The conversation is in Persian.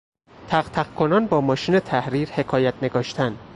تقتق کنان با ماشین تحریر حکایت نگاشتن